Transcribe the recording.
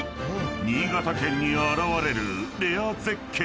［新潟県に現れるレア絶景］